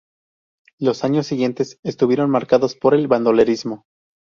Los años siguientes estuvieron marcados por el bandolerismo.